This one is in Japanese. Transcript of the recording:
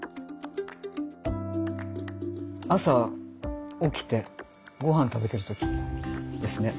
朝起きてご飯食べてる時ですね。